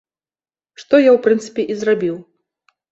Што я, у прынцыпе, і зрабіў.